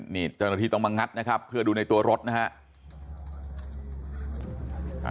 นี่เจ้าหน้าที่ต้องมางัดนะครับเพื่อดูในตัวรถนะฮะ